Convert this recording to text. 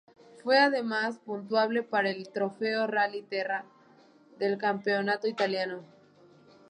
Fue además puntuable para el "Trofeo Rally Terra" del campeonato italiano.